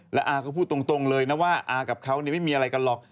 แล้วอาก็พูดตรงเลยนะว่าอากับเขาไม่มีอะไรกันหรอก